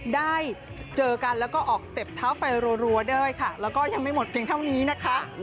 ได้เจอกันแล้วก็ออกสเต็ปเท้าไฟรัวได้ค่ะแล้วก็ยังไม่หมดเพียงเท่านี้นะคะ